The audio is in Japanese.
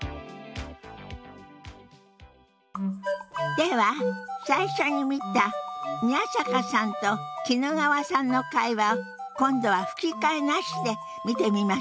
では最初に見た宮坂さんと衣川さんの会話を今度は吹き替えなしで見てみましょう。